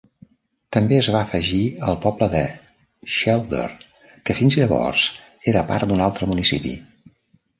També es va afegir el poble de Scheulder, que fins llavors era part d'un altre municipi.